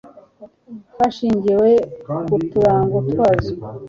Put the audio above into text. hashingiwe ku turango twazo.